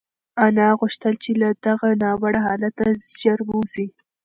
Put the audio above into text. انا غوښتل چې له دغه ناوړه حالته ژر ووځي.